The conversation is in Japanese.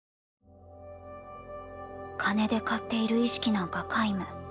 「金で買っている意識なんか皆無。